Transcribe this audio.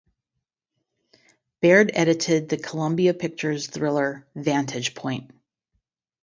Baird edited the Columbia Pictures thriller "Vantage Point".